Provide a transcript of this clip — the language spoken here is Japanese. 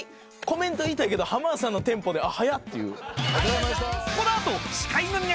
コメント言いたいけど浜田さんのテンポで速っ！っていう。